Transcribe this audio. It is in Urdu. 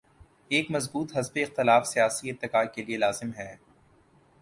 ایک مضبوط حزب اختلاف سیاسی ارتقا کے لیے لازم ہے۔